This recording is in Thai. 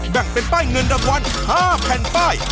แบ่งเป็นป้ายเงินรางวัล๕แผ่นป้าย